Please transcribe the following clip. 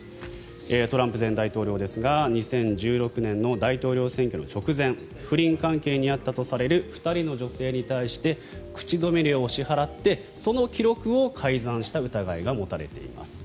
トランプ前大統領ですが２０１６年の大統領選挙の直前不倫関係にあったとされる２人の女性に対して口止め料を支払ってその記録を改ざんした疑いが持たれています。